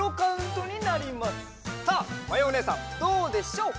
さあまやおねえさんどうでしょう？